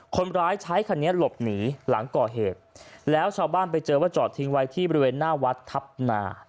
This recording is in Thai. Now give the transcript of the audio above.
คนร้ายใช้คันนี้หลบหนีหลังก่อเหตุแล้วชาวบ้านไปเจอว่าจอดทิ้งไว้ที่บริเวณหน้าวัดทัพนา